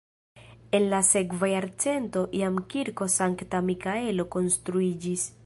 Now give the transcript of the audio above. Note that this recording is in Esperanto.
En la sekva jarcento jam kirko Sankta Mikaelo konstruiĝis.